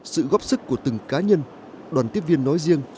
sự góp sức của từng cá nhân đoàn tiếp viên nói riêng